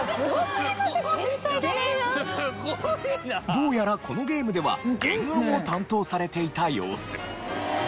どうやらこのゲームでは原案を担当されていた様子。